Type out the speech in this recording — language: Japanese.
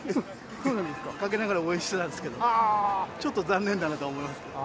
陰ながら応援してたんですけど、ちょっと残念だなと思いますけど。